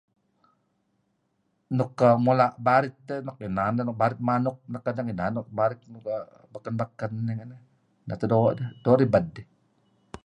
Nuk err mula' barit eh, inan nuk barit manuk neh kedeh, barit nuk beken-beken neh teh doo', doo' ribed dih.